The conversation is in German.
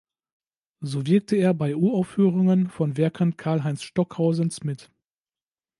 So wirkte er bei Uraufführungen von Werken Karlheinz Stockhausens mit.